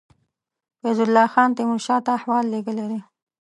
فیض الله خان تېمور شاه ته احوال لېږلی دی.